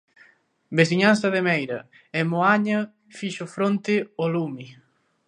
Veciñanza de Meira, en Moaña, fixo fronte ao lume.